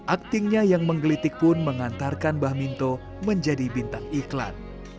aktingnya yang menggelitik pun mengantarkan bah minto menjadi bintang iklan